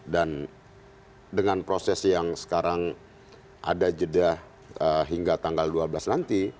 dengan proses yang sekarang ada jeda hingga tanggal dua belas nanti